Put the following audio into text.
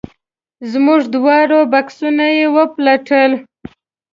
زموږ دواړه بکسونه یې وپلټل.